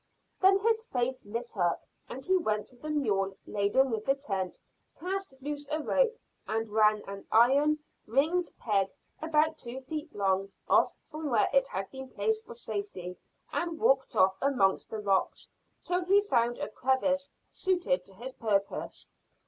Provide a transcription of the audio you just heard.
Then his face lit up and he went to the mule laden with the tent, cast loose a rope, and ran an iron ringed peg about two feet long off from where it had been placed for safety, and walked off amongst the rocks till he found a crevice suited to his purpose.